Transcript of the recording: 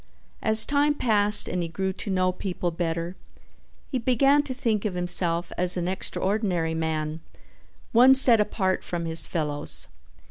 As time passed and he grew to know people better, he began to think of himself as an extraordinary man, one set apart from his fellows.